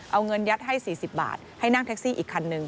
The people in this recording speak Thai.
เอาเงินยัดให้๔๐บาทให้นั่งแท็กซี่อีกคันนึง